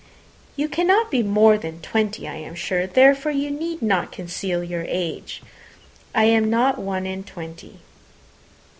"You cannot be more than twenty, I am sure, therefore you need not conceal your age." "I am not one and twenty."